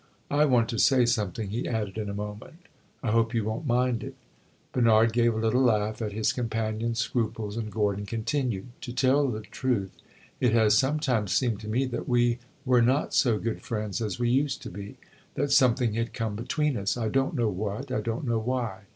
I want to say something," he added, in a moment; "I hope you won't mind it " Bernard gave a little laugh at his companion's scruples, and Gordon continued. "To tell the truth, it has sometimes seemed to me that we were not so good friends as we used to be that something had come between us I don't know what, I don't know why.